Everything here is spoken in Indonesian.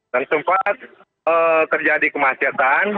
dan sempat terjadi kemacetan